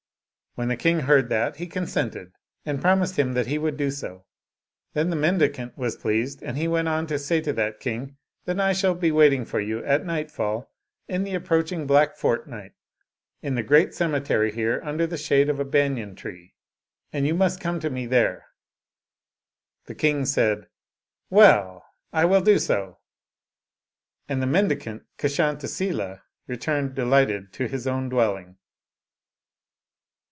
When the king heard that, he consented and prom ised him that he would do so. Then the mendicant was pleased and he went on to say to that king, " Then I shall be waiting for you at nightfall in the approaching black fortnight, in the great cemetery here, under the shade of a ta«3^a« tree, and you must come to me there/' The king said, " Weill I will do so." And the mendicant Kshantisila returned delighted to his own dwelling.